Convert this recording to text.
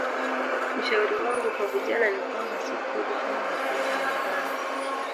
Ushauri wangu kwa vijana ni kwamba si kweli kwamba mapenzi ni mabaya